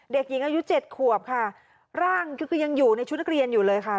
เด็กหญิงอายุเจ็ดขวบค่ะร่างคือก็ยังอยู่ในชุดนักเรียนอยู่เลยค่ะ